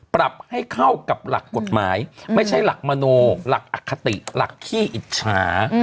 ปรับให้เข้ากับหลักกฎหมายไม่ใช่หลักมโนหลักอคติหลักขี้อิจฉา